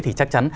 thì chắc chắn